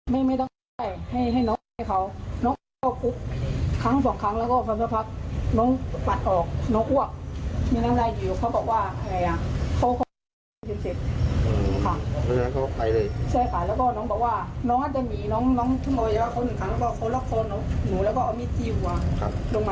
ค่ะโดยหมายค่ะ